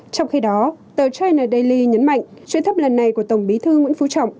trong khi đó tờ china daily nhấn mạnh chuyến thăm lần này của tổng bí thư nguyễn phú trọng